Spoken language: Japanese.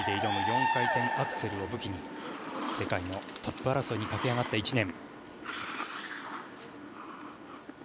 ４回転アクセルを武器に世界のトップ争いに駆け上がった１年。